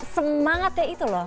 semangatnya itu loh